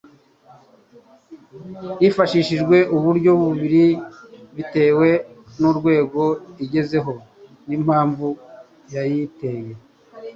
Hifashishwa uburyo bubiri, bitewe n'urwego igezeho n'impamvu yayiteye.